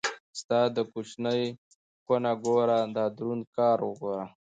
ستا دا کوچنۍ کونه ګوره دا دروند کار وګوره.